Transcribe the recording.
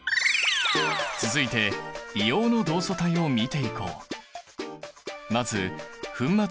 続いて硫黄の同素体を見ていこう。